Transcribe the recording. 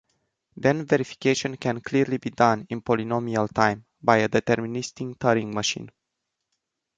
Then verification can clearly be done in polynomial time by a deterministic Turing machine.